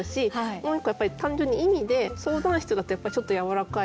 もう一個やっぱり単純に意味で「相談室」だとやっぱりちょっとやわらかい。